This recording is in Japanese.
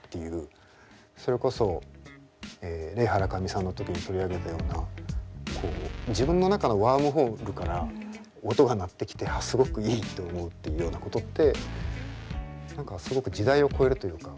それこそレイ・ハラカミさんの時に取り上げたようなこう自分の中のワームホールから音が鳴ってきてすごくいいって思うっていうようなことって何かすごく時代を超えるというか。